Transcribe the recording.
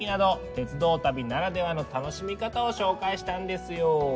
鉄道旅ならではの楽しみ方を紹介したんですよ。